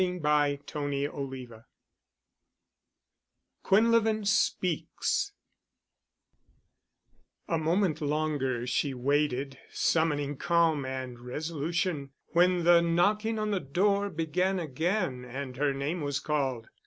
*CHAPTER XII* *QUINLEVIN SPEAKS* A moment longer she waited, summoning calm and resolution, when the knocking on the door began again and her name was called.